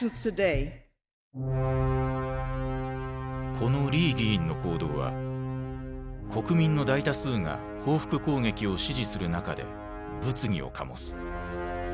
このリー議員の行動は国民の大多数が報復攻撃を支持する中で物議を醸す。